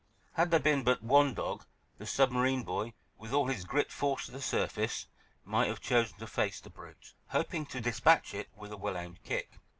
Had there been but one dog, the submarine boy, with all his grit forced to the surface, might have chosen to face the brute, hoping to despatch it with a well aimed kick.